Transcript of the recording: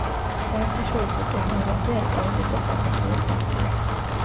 საერთაშორისო ტურნირებზე ასპარეზობდა საქართველოს სახელით.